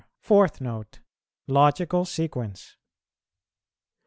FOURTH NOTE. LOGICAL SEQUENCE.